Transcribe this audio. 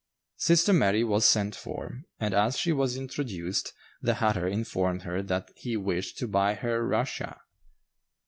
Sister Mary was sent for, and as she was introduced, the hatter informed her that he wished to buy her "Russia."